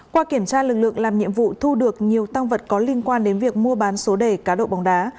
qua kiểm tra lực lượng làm nhiệm vụ thu được nhiều tăng vật có liên quan đến việc mua bán số đề cá độ bóng đá